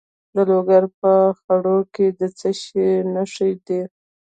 د لوګر په خروار کې د څه شي نښې دي؟